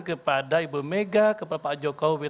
kepada ibu mega kepada pak jokowi